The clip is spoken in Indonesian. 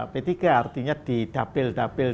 p tiga artinya di dapil dapil